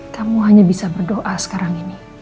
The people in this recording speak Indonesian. kamu hanya bisa berdoa sekarang ini